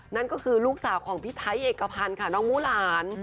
นั่นก็คือลูกสาวของพี่ไทยเอกพันธ์ค่ะน้องมูหลาน